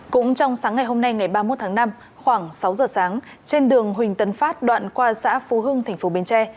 cũng trong sáng ngày hôm nay ngày ba mươi một tháng năm khoảng sáu giờ sáng trên đường huỳnh tấn phát đoạn qua xã phú hưng thành phố bến tre